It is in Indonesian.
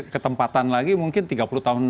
ketempatan lagi mungkin tiga puluh tahun